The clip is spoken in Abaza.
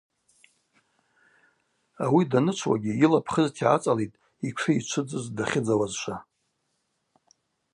Ауи данычвуагьи йыла пхызта йгӏацӏалитӏ йтшы йчвыдзыз дахьыдзауазшва.